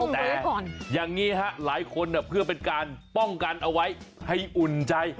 แต่อย่างนี้ฮะหลายคนเพื่อเป็นการป้องกันเอาไว้ให้อุ่นใจ